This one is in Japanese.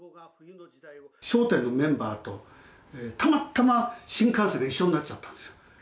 笑点のメンバーとたまたま新幹線で一緒になっちゃったんですよ。